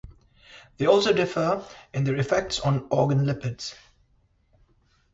They also differ in their effects on organ lipids.